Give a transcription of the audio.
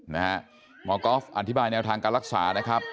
หมอก๊อฟอธิบายแนวทางการรักษานะครับ